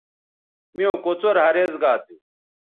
میوں کوڅر ھریز گا تھو